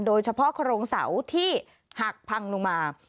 โดยเฉพาะโครงเสาที่หักพังลงมา